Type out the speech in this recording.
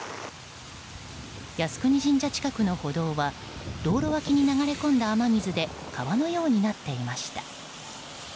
靖国神社近くの歩道は道路脇に流れ込んだ水で川のようになっていました。